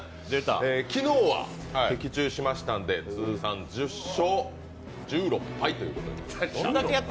昨日は的中しましたので、通算１０勝１６敗ということになります。